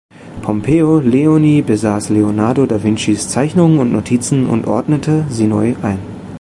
Pompeo Leoni besaß Leonardo da Vincis Zeichnungen und Notizen und ordnete sie neu ein.